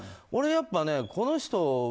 俺、やっぱりこの人。